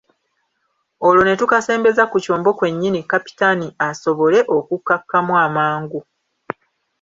Olwo ne tukasembeza ku kyombo kwennyini Kapitaani asobole okukakkamu amangu.